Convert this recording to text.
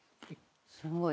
「すごい。